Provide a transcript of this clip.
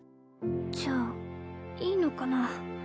じゃあいいのかな？